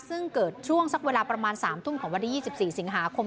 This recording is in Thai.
ซึ่งเกิดช่วงสักเวลาประมาณ๓ทุ่มของวันที่๒๔สิงหาคม